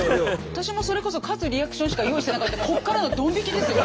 私もそれこそ勝つリアクションしか用意してなかったからこっからのどん引きですよ。